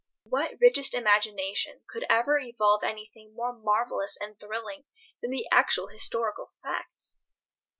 What richest imagination could ever evolve anything more marvellous and thrilling than the actual historical facts?